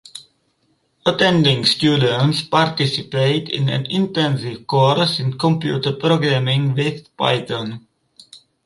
Attending students participate in an intensive course in computer programming with Python.